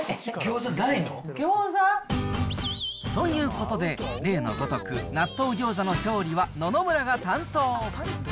ギョーザ？ということで、例のごとく、納豆ギョーザの調理は野々村が担当。